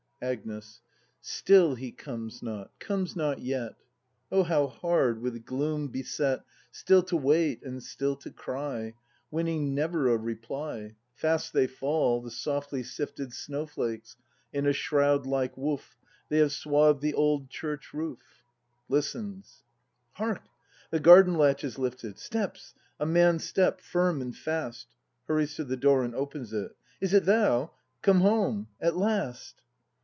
Agnes. Still he comes not! Comes not yet! — Oh, how hard, with gloom beset, — Still to wait and still to cry, — Winning never a reply! — Fast they fall, the softly sifted Snowflakes; in a shroud like woof They have swathed the old church roof [Listens.] Hark! the garden latch is lifted! Steps! A man's step, firm and fast! [Hurries to tJie door and opens it.] Is it thou? Come home! At last!